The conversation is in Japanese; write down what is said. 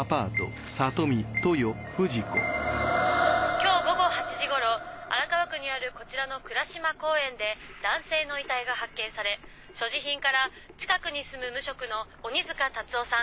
今日午後８時ごろ荒川区にあるこちら男性の遺体が発見され所持品から近くに住む無職の鬼塚辰夫さん